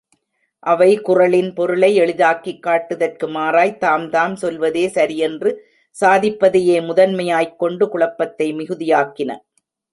அவை குறளின் பொருளை எளிதாக்கிக் காட்டுதற்கு மாறாய்த் தாம்தாம் சொல்வதே சரி என்று சாதிப்பதையே முதன்மையாய்க்கொண்டு குழப்பத்தை மிகுதியாக்கின.